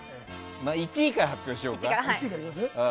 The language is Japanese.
１位から発表しようか。